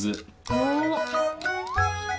おお。